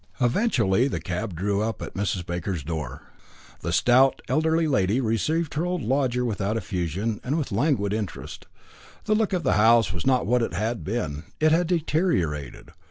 Eventually the cab drew up at Mrs. Baker's door. That stout, elderly lady received her old lodger without effusion, and with languid interest. The look of the house was not what it had been. It had deteriorated.